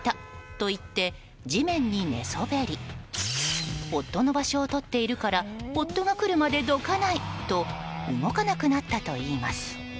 と言って地面に寝そべり夫の場所をとっているから夫が来るまでどかないと動かなくなったといいます。